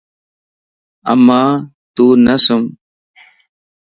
امان تون سم